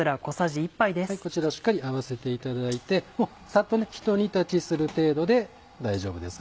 こちらをしっかり合わせていただいてサッとひと煮立ちする程度で大丈夫です。